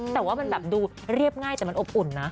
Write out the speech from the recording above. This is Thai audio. แต่ว่ามันแบบดูเรียบง่ายแต่มันอบอุ่นนะ